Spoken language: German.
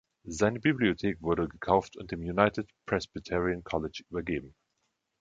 Seine Bibliothek wurde gekauft und dem United Presbyterian College übergeben.